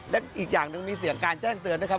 และอีกอย่างหนึ่งมีเสียงการแจ้งเตือนนะครับ